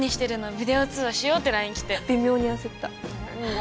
「ビデオ通話しよう」ってＬＩＮＥ来て微妙に焦った何だ